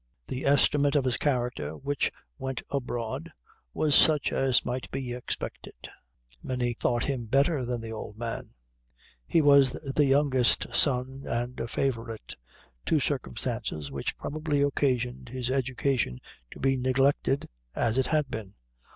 The estimate of his character which went abroad was such as might be expected many thought him better than the old man. He was the youngest son and a favorite two circumstances which probably occasioned his education to be neglected, as it had been.